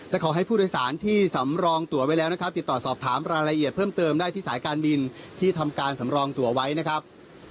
และขอให้ผู้โดยสารที่สำรองตัวไว้แล้วนะครับติดต่อสอบถามรายละเอียดเพิ่มเติมได้ที่สายการบินที่ทำการสำรองตัวไว้นะครับ